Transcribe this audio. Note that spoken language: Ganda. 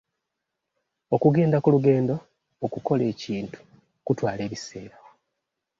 Okugenda ku lugendo okukola ekintu kutwala ebiseera.